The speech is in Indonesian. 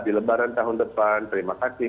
di lebaran tahun depan terima kasih